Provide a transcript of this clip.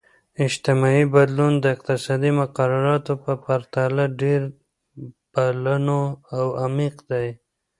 اجتماعي بدلون د اقتصادي مقرراتو په پرتله ډیر پلنو او عمیق دی.